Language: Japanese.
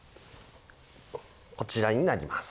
こちらになります。